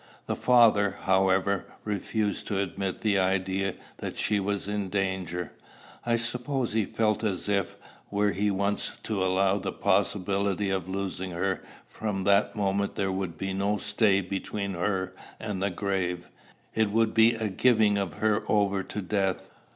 The father, however, refused to admit the idea that she was in danger. I suppose he felt as if, were he once to allow the possibility of losing her, from that moment there would be no stay between her and the grave: it would be a giving of her over to death.